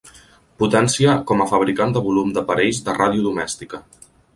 Potència com a fabricant de volum d'aparells de ràdio domèstica.